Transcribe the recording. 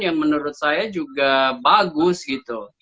yang menurut saya juga bagus gitu